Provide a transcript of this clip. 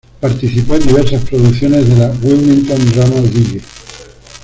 Participó en diversas producciones de la Wilmington Drama League.